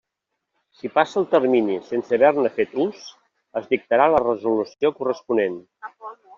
Si passa el termini sense haver-ne fet ús, es dictarà la resolució corresponent.